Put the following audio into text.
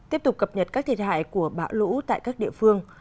tiếp tục cập nhật các thiệt hại của bão lũ tại các địa phương